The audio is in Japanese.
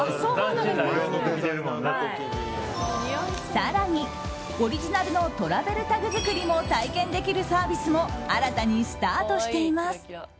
更にオリジナルのトラベルタグ作りも体験できるサービスも新たにスタートしています。